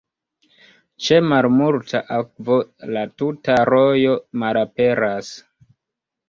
Ĉe malmulta akvo la tuta rojo malaperas.